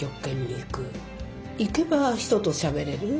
行けば人としゃべれる。